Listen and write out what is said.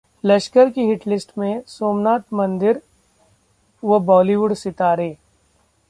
लश्कर की हिटलिस्ट में सोमनाथ मंदिर व बॉलीवुड सितारे